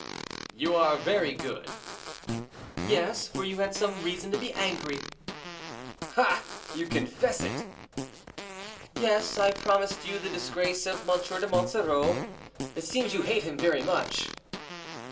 "You are very good." "Yes, for you had some reason to be angry." "Ah! you confess it." "Yes, I promised you the disgrace of M. de Monsoreau. It seems you hate him very much."